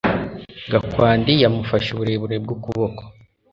Gakwandi yamufashe uburebure bw'ukuboko